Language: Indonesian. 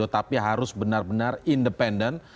tapi harus benar benar independen